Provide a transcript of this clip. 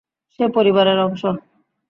সে পরিবারের অংশ!